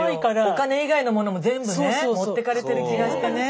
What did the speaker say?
お金以外のものも全部ね持ってかれてる気がしてね。